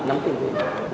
nhắm tình hình